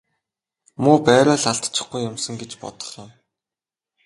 Муу байраа л алдчихгүй юмсан гэж бодох юм.